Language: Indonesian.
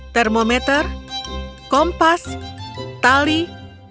termometer kompas tali dan berbagai lainnya